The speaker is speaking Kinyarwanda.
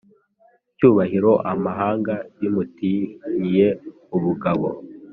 cyubahiro amahanga yamutinyiye ubugabo